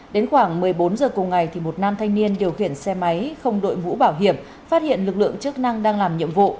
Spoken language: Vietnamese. đến khoảng một mươi bốn h cùng ngày một nam thanh niên điều khiển xe máy không đội mũ bảo hiểm phát hiện lực lượng chức năng đang làm nhiệm vụ